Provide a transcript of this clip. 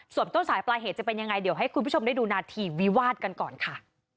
ส่วนต้นสายปลายเหตุจะเป็นยังไงเดี๋ยวให้คุณผู้ชมได้ดูนาทีวิวาดกันก่อนค่ะ